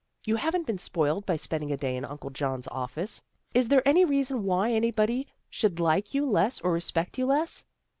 You haven't been spoiled, by spending a day in Uncle John's office. Is there any reason why any body should like you less or respect you less?